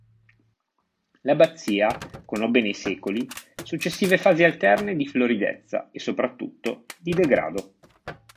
L'abbazia conobbe nei secoli successive fasi alterne di floridezza e, soprattutto, di degrado.